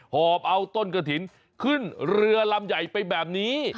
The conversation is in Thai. หอบเอาต้นกระถิ่นขึ้นเรือลำใหญ่ไปแบบนี้